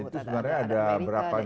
itu sebenarnya ada berapa g tujuh